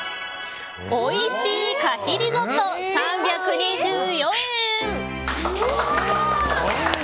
美味しい牡蠣リゾット、３２４円。